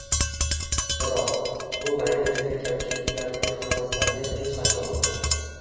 Biroq, bu mayda-chuyda kamchiliklarimga qaramasdan men hech qachon.